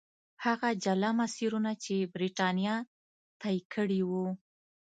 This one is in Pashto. هغه جلا مسیرونه چې برېټانیا طی کړي وو.